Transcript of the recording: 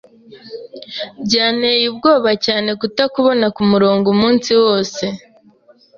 Byanteye ubwoba cyane kutakubona kumurongo umunsi wose.